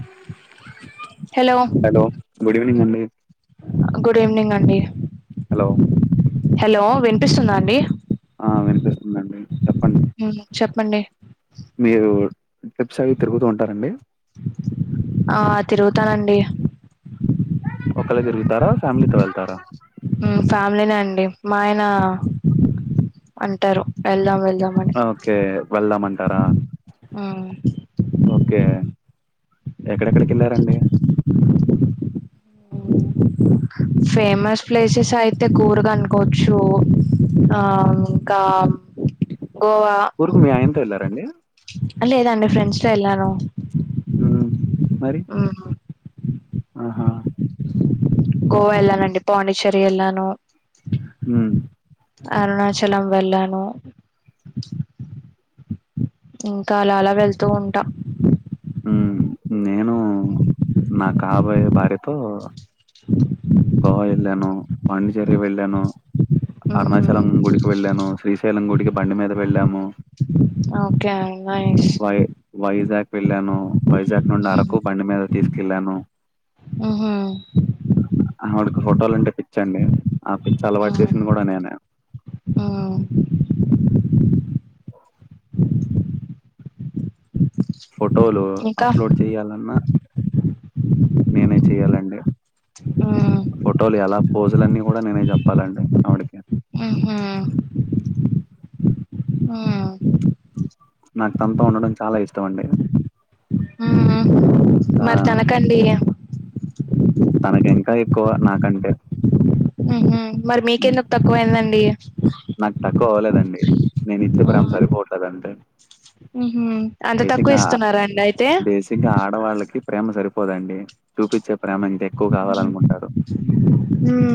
ఏవా hello hello good evening అండి good evening అండి హలో హలో వినిపిస్తుందా అండి ఆ వినిపిస్తుంది అండి చెప్ అవునా చెప్పండి మీరూ ట్రిప్స్ అవి తిరుగుతూ ఉంటారండి. ఆ తిరుగుతానండి ఒక్కరే తిరుగుతారా ఫ్యామిలీతో వెళ్తారా. హ్మ్ ఫ్యామిలీనే అండి మా ఆయనా అంటారు వెళ్దాం వెళ్దాం అన్ ఆ ఓకే వెళ్దామంటారా. ఆ ఓకే ఎక్కడెక్కడికి ఎళ్ళారండి. అ ఫేమస్ ప్లేసెస్ అయితే కూరగనుకోవచ్చు. ఆ ఇంకా గోవా కూరుగు మీ ఆయనతో వెళ్లారండి. లేదండి ఫ్రెండ్స్ తో ఎళ్ళానూ. హ్మ మరి ఆహా గోవా ఎళ్లానండి పాండిచ్చెరీ ఎళ్లాను. హ్మ అరుణాచలం వెళ్ళానూ ఇంకా అలా అలా వెళ్తూ ఉంటా. ఊ నేనూ నా కాబోయే భార్యతో. హ గోవా ఎళ్ళానూ, పాండిచ్చెరి వెళ్ళానూ. మ్మ్ హ్మ్ అరుణాచలం గుడికి వెళ్ళానూ, శ్రీశైలం గుడికి బండి మీద వెళ్ళాము. ఆ ఓకే నైస్ వై వైజాగ్ వెళ్ళానూ, వైజాగ్ నుండి అరకు బండి మీద తీసుకెళ్ళానూ. ఉహు ఆన్వడ్కి ఫోటోలు అంటే పిచ్చండి, ఆ పిచ్చి అలవాటు చేసింది కూడా నేనే అం ఉమ్ ఫొటోలు ఇంకా అప్లోడ్ చేయాలన్నా, నేనే చెయ్యాలండి ఉమ్ ఫోటోలు ఎలా పోజులు అన్నీ కూడా నేనే చెప్పాలండి ఆవిడకి, ఉహు ఉమ్ నాక్ తనతో ఉండడం చాలా ఇష్టం అండి. మ్మ్ ఆ మరి తనకండి ఏం, తనకింకా ఎక్కువ నాకంటే, ఊహు మరి ఉమ్, మీకెందుకు తక్కువైందండి, నాకు తక్కువ అవ్వలేదండి, నేను ఇచ్చే ప్రేమ సరిపోవట్లేదంతే, ఉహు అంత తక్కువ ఇస్తున్నారాండి అయితే, ఇగ ఆడవాళ్ళకి ప్రేమ సరిపోదండి, చూపిచ్చే ప్రేమ ఇంక ఎక్కువ కావాలనుకుంటారు. మ్మ్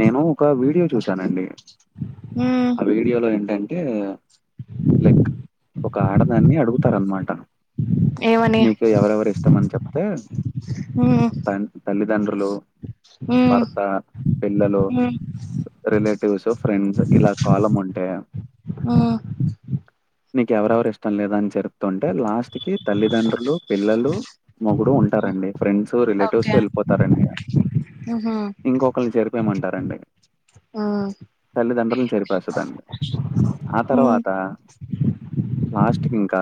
నేను ఒక వీడియో చూశానండి, ఉమ్ డియలో ఏంటంటే లైక్ ఒక ఆడదాన్ని అడుగుతారనమాట, ఏమని నీకు ఎవరెవరిష్టం అని చెప్తే, మ్మ్ త తల్లిదండ్రులు, మ్మ్ భర్త, పిల్లలు మ్మ్ రిలేటివ్స్, ఫ్రెండ్స్ ఇలా కాలం ఉంటే, ఉమ్ నీకెవరెవరు ఇష్టం లేదాని చెరు తుంటే లాస్ట్ కి తల్లిదండ్రులు పిల్లలు మొగుడు ఉంటారండి, ఫ్రెండ్స్ రిలేటివ్స్ ఓకే వెళ్ళిపోతారండి ఇగ మ్హు ఇంకొకోళ్ళని చేరిపేయమంటారండి ఇగ, మ్మ్ తల్లిదండ్రులను చెరిపేస్తదండి ఆ మ్మ్ తర్వాత, లాస్ట్ కింకా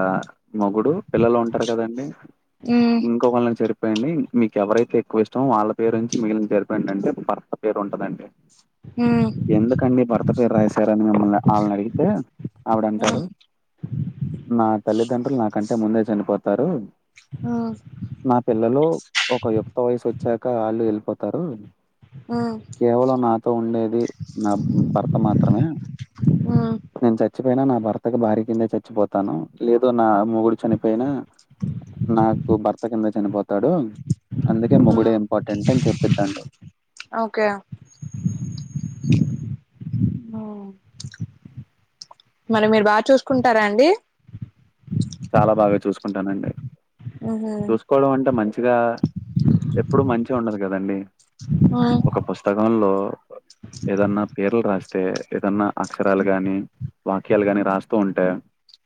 మొగుడు పిల్లలుంటారు కదండి, మ్మ్ ఇంకొకళ్ళ్ని చెరిప్ పెయ్యండి, మీకు ఎవరైతే ఎక్కువ ఇష్టమో వాళ్ళ పేరు ఉంచి మిగిలింది చెరిపేయ్యండి అంటే భర్త పేరు ఉంటదండి. మ్మ్ ఎందుకండి భర్త పేరు రాశారని మిమ్మల్ని ఆళ్ళనడిగితే ఆవిడ మ్మ్ అంటారు, నా తల్లిదండ్రులు నాకంటే ముందే చనిపోతారు, ఉమ్ నా పిల్లలు ఒక యుక్త వయసొచ్చాక వాళ్ళు వెళ్ళిపోతారు, మ్మ్ కేవలం నాతో ఉండేది, నా భర్త మాత్రమే, మ్మ్ నేను చచ్చిపోయినా నా భర్తకు భార్య కిందే చచ్చిపోతాను, లేదు నా మెుగుడు చనిపోయినా, నాకు భర్త కిందే చనిపోతాడు, అందుకే మ్మ్ మొగుడే ఇంపార్టెంట్ అని చెప్పిద్దండి, ఓకే, మ్మ్ మరి మీరు బా చూసుకుంటారా అండి? చాలా బాగా చూసుకుంటానండి, మ్హు చూసుకోవడం అంటే మంచిగా, ఎప్పుడు మంచే ఉండదు కదండి, ఆ స్తకంలో ఏదన్నా పేర్లు రాస్తే, ఏదన్నా అక్షరాలు గాని, వాక్యాలు గాని రాస్తూ ఉంటే,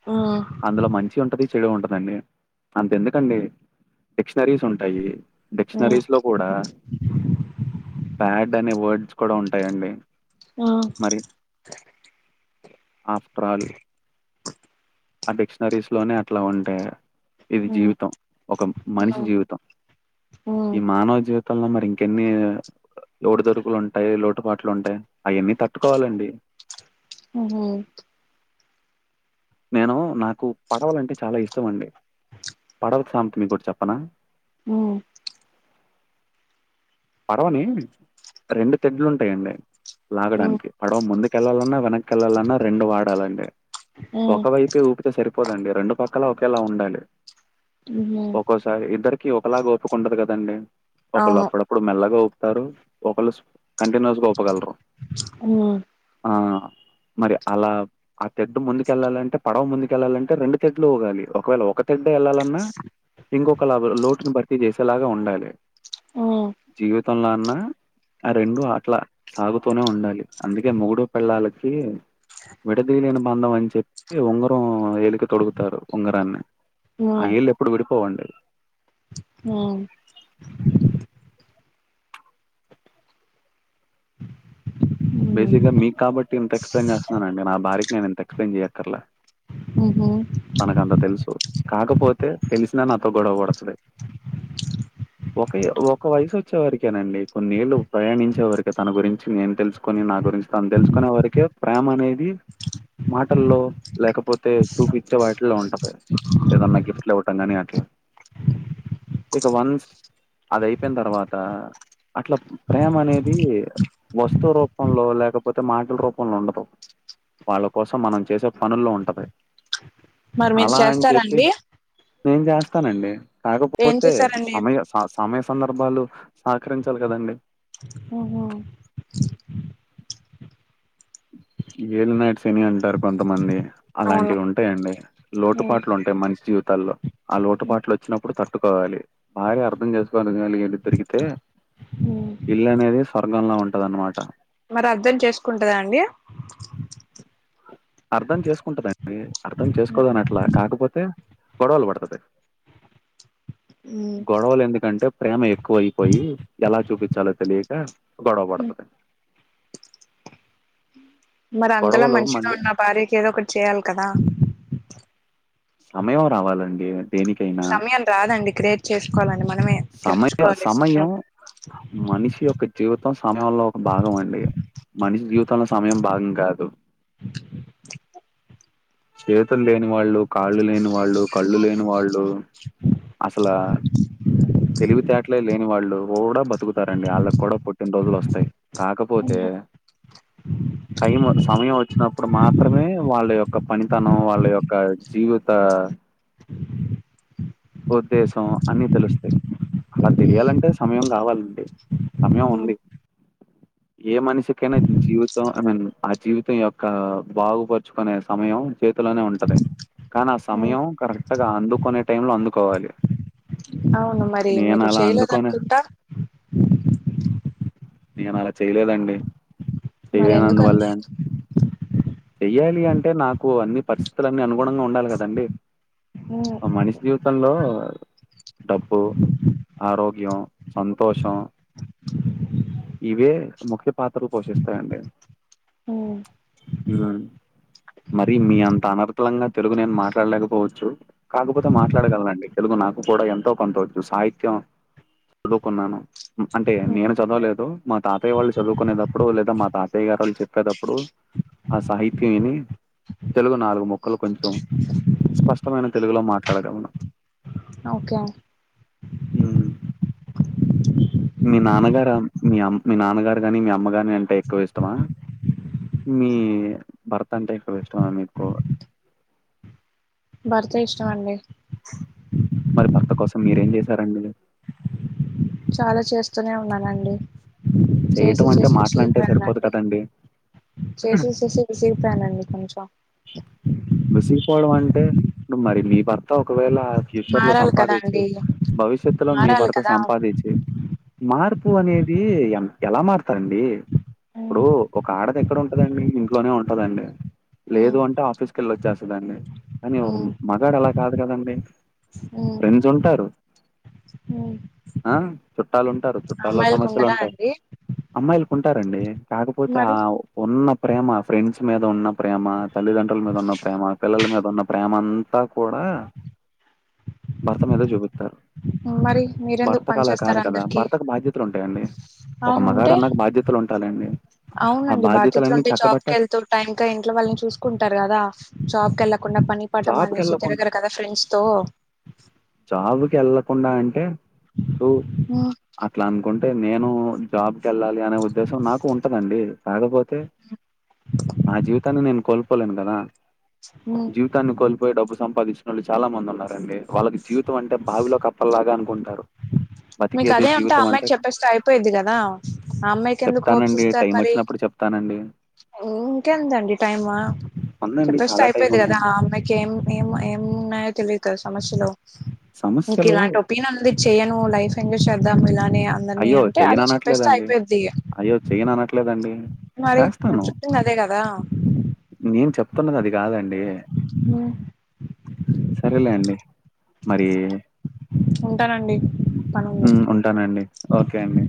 మ్మ్ అందులో మం చి ఉంటది చెడు ఉంటదండి, అంత ఎందుకండి డిక్షనరీస్ ఉంటాయి, మ్మ్ డిక్షనరీస్ లో కూడా బ్యాడ్ అనే వర్డ్స్ కూడా ఉంటాయండి మ్మ్ మరి ఆఫ్ట్రాల్ ఆ డిక్షనరీస్ లోనే అట్లా ఉంటె ఇది అవును. జీవితం ఒక మనిషి జీవితం ఈ మానవ జీవితం తంలో మరి ఇంకెన్ని ఓడి దురుకులుంటాయి లోటు పాట్లు ఉంటాయి అవన్నీ తట్టుకోవాలండి ఊ నేను నాకు పడవలు అంటే చాలా ఇష్టం అండి పడవలు సామేత మీకు ఒకటి చెప్పనా ఉ పర్వని రెండు తెడ్లు ఉంటాయండి లాగడానికి పడవ ముందుకెళ్ళాలన్నా వెనక్కి వెళ్ళాలన్నా రెండు వాడాలండి ఒకవైపు ఊపితే సరిపోదండి రెండు పక్కల ఒకేలా ఉండాలి ఒకస్ ఇద్దరికి ఒకలా ఓపిక ఉండదు కదండి ఒకళ అప్పుడ ఇప్పుడు మెల్లగా ఊపుతారు ఒకళ్ళు కంటిన్యూస్ గా ఊపగలరు ఆ మరి అలా ఆ తెడ్డు ముందుకెళ్ళాలంటే పడవ ముందుకు వెళ్ళాలంటే రెండు తెడ్లు ఊగాలి ఒకవేళ ఒక తెడ్డ వెళ్ళాలన్నా ఇంకొక లా లోటును భర్తీ చేసేలాగా ఉండాలి ఆ జీవితంంలో అన్న ఆ రెండు అట్లా సాగుతూనే ఉండాలి అందుకే మొగుడు పెళ్లాలకి విడదీయలేని బంధం అని చెప్పి ఉంగరం ఏలికి తొడుగుతారు ఉంగరాన్ని ఆ ఏళ్ళు ఎప్పుడు విడిపోవండి ఆ బేసిక్గా మీకు కాబట్టి ఇంత ఎక్స్ప్లెయిన్ చేస్తున్నాన అండి నా భార్యకి నేను ఇంత ఎక్స్ప్లెయిన్ చేయ్యక్కర్లే ఉహు నాకంత తెలుసు కాకపోతే తెలిసినా నాతో గొడవ పడుతుంది ఒక ఒక వయసు వచ్చేవరకేనండి కొన్నిళ్ళు ప్రయాణించే వరికే తన గురించి నేను తెలుసు కొని నా గురించి తను తెలుసుకునే వరకే ప్రేమ అనేది మాటల్లో లేకపోతే చూపిచే వాటిలో ఉంటది ఏదన్నా గిఫ్ట్లు ఇవ్వటం గానీ అట్లా ఇక వన్స్ అది అయిపోయిన తర్వాత అట్లా ప్రేమ అనేది వస్తు త్ రూపంలో లేకపోతే మాటల రూపంలో ఉండదు వాళ్ళ కోసం మనం చేసే పనుల్లో ఉంటది మరి మీరు అలా అని చెప్పి చేస్తారండి నేను చేస్తానండి ఏం కాకపోతే చేశారండి సమయ సమయ స సందర్భాలు సహకరించాలి కదండి ఆహా ఏలినాటి శని అంటారు కొంతమంది అవును అలాంటివి ఉంటాయండి లోటుపాట్లు ఉం టె మనిషి జీవితాల్లో ఆ లోటుపాట్లు వచ్చినప్పుడు తట్టుకోవాలి భార్య అర్థం చేసుకోవాలి ఎందుకంటే ఈల దొరికితే ఇల్లు అనేది స్వర్గం ల ఉంటద అన్నమాట మరి అర్థం చేసుకుంటుందా అండి అర్థం చేసుకుంటదండి అర్ధం చేసుకోదనట్లా కాకపోతే గొడవలు పడుతుంది గొడవలు ఎందుకంటే ప్రేమ ఎక్కువ అయిపోయి ఎలా చూపించాలో తెలియక గొడవ పడుతది మరి అంతల గొడవలో మంచిగా మళ్ళీ ఉన్న భార్యకు ఏదో ఒకటి చేయ్యాలి కదా సమయం రావాలండి. దేనికైనా. సమయం రాదండి క్రియేట్ చేసుకోవాలండి మనమే. సమయం సమయం మనిషి యొక్క జీవితం సమయంలో ఒక భాగం అండి. మనిషి జీవితంలో సమయం భాగం కాదు. చేతులు లేని వాళ్ళు, కాళ్ళు లేని వాళ్ళు, కళ్ళు లేని వాళ్ళు అస్సలా తెలివితేటలే లేని వాళ్ళు కూడా బతుకుతారండి ఆళ్ళకి కూడా పుట్టినరోజులు వస్తయి. కాకపోతే టైం సమయం వచ్చినప్పుడు మాత్రమే వాళ్ళ యొ క్క పనితనం వాళ్ళ యొక్క జీవిత ఉద్దేశం అన్ని తెలుస్తయి అలా తెలియాలంటే సమయం రావాలండి. సమయం ఉంది. ఏ మనిషికైనా జీవితం ఐ మీన్ ఆ జీవితం యొక్క బాగుపడి తెచ్చుకునే సమయం చేతిలోనే ఉంటది. కానీ ఆ సమయం కరెక్ట్గా అందుకునే టైం లో అందుకోవాలి. అవును మరి నేను మీరు అలా చేయలేదు అందుకోనే అనుకుంటా. నేనలా చేయలేదండి. మరి చేయలేనందువల్లే ఎందుకనుష్ అండి చెయ్యాలి అంటే నాకు అన్ని పరిస్థితులన్ని అనుగుణంగా ఉండాలి కదండి. మ్మ్ ఓ మనిషి జీవితంలో డబ్బు, ఆరోగ్యం, సంతోషం ఇవే ముఖ్య పాత్రలు పోషిస్తాయండి. మరి మీ అంత అనర్గలంగా తెలుగు నేను మాట్లాడలేకపోవచ్చు. కాకపోతే మాట్లాడగలనండి తెలుగు నాకు కూడా ఎంతో కొంతవచ్చు. సాహిత్యం చదువుకున్నాను అంటే నేను మ్మ్ చదవలే దు మా తాతయ్య వాళ్ళు చదువుకునేటప్పుడు లేదా మా తాతయ్య గారు వాళ్ళు చెప్పేతప్పుడు ఆ సాహిత్యం విని తెలుగు నాలుగు ముక్కలు కొంచెం స్పష్టమైన తెలుగులో మాట్లాడగలను. ఓకే మీ నాన్నగారా మీ అమ్ మీ నాన్నగారు కాని మీ అమ్మగాని అంటే ఎక్కువ ఇష్టమా. మీ భర్త అంటే ఎక్కువ ఇష్టం మీకు. భర్త ఇష్టం అండి. మరి భర్త కోసం మీరేం చేశారండి? చాలా చేస్తూనే ఉన్నానండి చేసి చేయటం అంటే చేసి మాటలంటే సరిపోదు విసిగిపోయానండి. కదండి చేసి చేసి విసిగి పోయానండి కొంచెం. విసిగిపోవడం అంటే మరి మీ భర్త ఒకవేళ ఫ్యూచర్ లో మారాలి కదా సంపాదిచ్చి అండి భవిష్యత్తు లో మీ మారాలి భర్త కదా సంపాదిచ్చి మార్పు అనేది ఎ ఎలా మారుతారండి. ఇప్పుడు మ్మ్ ఒక ఆడదే ఎక్కడ ఉంటదండి ఇంట్లోనే ఉంటదండి లేదు మ్మ్ అంటే ఆఫీస్ కెళ్లి వచ్చేస్తదండి. కానీ ఒక మ్మ్ మగాడు అలా కాదు కదండి. ఫ్రెండ్స్ ఉంటారు ఆ ఆ చుట్టాలు ఉంటారు చుట్టాల్లో సమస్యలు ఉండదా ఉంటాయి. అండి అమ్మాయిలకుంటారండి కాకపోతే ఆ మరి ఉన్న ప్రేమ ఫ్రెండ్స్ మీద ఉన్న ప్రేమ తల్లిదండ్రుల మీదున్న ప్రేమ, పిల్లల మీదున్న ప్రేమ అంతా కూడా భర్త మీద చూపిత్తారు. మరి మీరెందుకు భర్తకు పని అలా చేస్తారు కాదు కదా అందరికి భర్తకు బాధ్యతలు ఉంటాయండి. ఒక అవును మగాడు ఉంటే అన్నాక బాధ్యతలు ఉంటాలండి ఆ బాధ్యతలన్నీ చక్కబట్టాల్ ట ఇంకా ఇంట్లో వాళ్ళని చూసుకుంటారు గదా జాబ్ కెళ్ళలకుండా పని పటం మానేసి తిరగరు కదా ఫ్రెండ్స్ తో చావుకి ఎళ్ళకుండా అంటే టూ మ్మ్ అట్లా అనుకుంటే నేను జాబ్కి ఎళ్ళాలి అనే ఉద్దేశం నాకు ఉంటదండి కాకపోతే నా జీవితాన్ని నేను కోల్పోలేను గదా ఉ తాన్ని కోల్పోయ్ డబ్బు సంపాదిచినోళ్ళు చాలా మంది ఉన్నారండి వాళ్ళకి జీవి తం అంటే బావిలో కప్పల్లాగా అనుకుంటారు మీకు బతికేదే అదే అంటే ఆ జీవితం అమ్మాయికి చెప్పేస్తె అయిపోయిద్ది గదా ఆ అమ్మాయికి ఎందుకు హోప్స్ చెప్తానండి ఇస్తారు టైం మరి వచ్చినప్పుడు చెప్తానండి. ఇంకేందండి టైమ్ ఉందండి చెప్పేస్తే చాలా టైం అయిపోయిద్ది గదా ఉందండి. ఆ అమ్మాయ్ కేం ఏం ఏం ఉన్నాయో తెలీద్ కద సమస్యలు నీక్ సమస్యలు ఇలాంటి ఒ పి నంది చేయను లైఫ్ ఎంజాయ్ చేద్దాం ఇలానే అందరినీ అయ్యో అంటే అది చెప్పేస్తే అయిపోయిద్దియ చెయ్యన్ అనట్లేదండి మరి నువ్ చెప్పింది అదే గదా నేను చెప్తున్నది అది గాదండి ఉ సరేలే అండి మరీ ఉంటానండి పనుంది ఉ ఉంటానండి ఓకే అండి